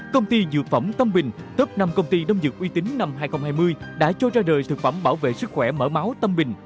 công ty dược phẩm tâm bình top năm công ty đông dược uy tín năm hai nghìn hai mươi đã cho ra đời thực phẩm bảo vệ sức khỏe mở máu tâm bình